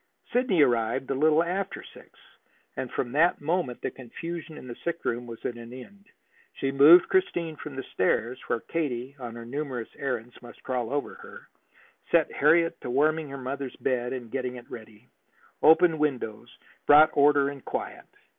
Sidney arrived a little after six, and from that moment the confusion in the sick room was at an end. She moved Christine from the stairs, where Katie on her numerous errands must crawl over her; set Harriet to warming her mother's bed and getting it ready; opened windows, brought order and quiet.